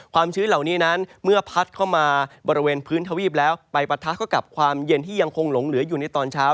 ชื้นเหล่านี้นั้นเมื่อพัดเข้ามาบริเวณพื้นทวีปแล้วไปปะทะเข้ากับความเย็นที่ยังคงหลงเหลืออยู่ในตอนเช้า